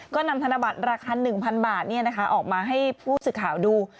ก็นำธนบัตรราคา๑๐๐๐บาทออกมาให้ผู้สื่อข่าวดู